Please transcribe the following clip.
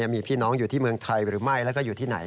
มีพี่น้องอยู่ที่เมืองไทยหรือไม่แล้วก็อยู่ที่ไหน